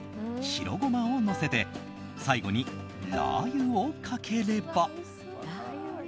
白ゴマをのせて最後にラー油をかければ。